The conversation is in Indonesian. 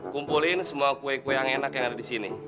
kumpulin semua kue kue yang enak yang ada di sini